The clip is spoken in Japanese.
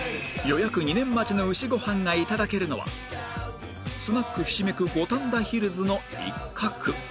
予約２年待ちの牛ご飯が頂けるのはスナックひしめく五反田ヒルズの一角